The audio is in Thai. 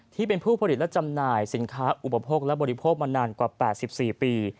ที่เป็นผู้ผลิตและจำหน่ายสินค้าอุปโภคและบริโภคมานานกว่า๘๔ปี